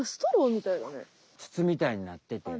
つつみたいになってて。